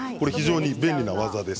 便利な技です。